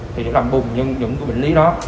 thì nó làm bùng những bệnh lý đó